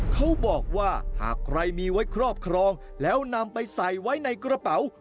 เขาบอกว่าหากใครมีไว้ครอบครองแล้วนำไปใส่ไว้ในกระเป๋า